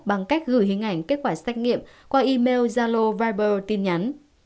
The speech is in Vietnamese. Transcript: bằng cách gửi hình ảnh kết quả xét nghiệm qua email zalo viber tin nhắn